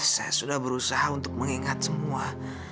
saya sudah berusaha untuk mengingat semua